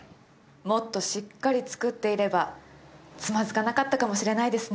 もっとしっかりつくっていればつまずかなかったかもしれないですね